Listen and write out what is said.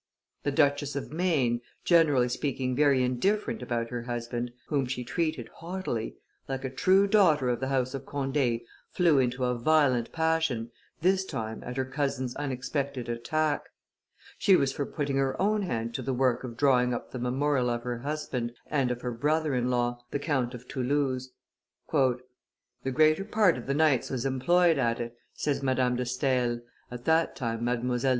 The Duchess of Maine, generally speaking very indifferent about her husband, whom she treated haughtily, like a true daughter of the House of Conde, flew into a violent passion, this time, at her cousins' unexpected attack; she was for putting her own hand to the work of drawing up the memorial of her husband and of her brother in law, the Count of Toulouse. "The greater part of the nights was employed at it," says Madame de Stael, at that time Mdlle.